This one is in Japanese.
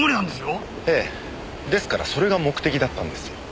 ええですからそれが目的だったんですよ。